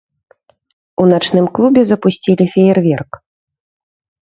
У начным клубе запусцілі феерверк.